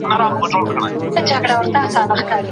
له هغه وخته چي ما پېژندی